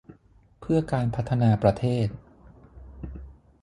เพื่อการพัฒนาประเทศ